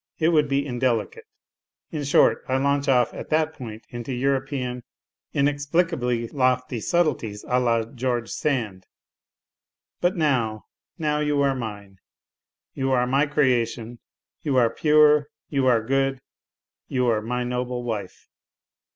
it would be indelicate (in short, I launch off at that point into European, inexplicably lofty sub tleties a la George Sand), but now, now you are mine, you are my creation, you are pure, you are good, you are my noble wife.